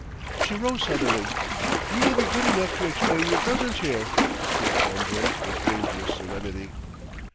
She rose suddenly. "You will be good enough to explain your presence here," she informed him with dangerous serenity.